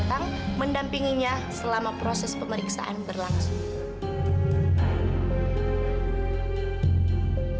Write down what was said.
dan menampingnya selama proses pemeriksaan berlangsung